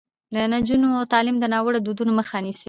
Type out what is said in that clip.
د نجونو تعلیم د ناوړه دودونو مخه نیسي.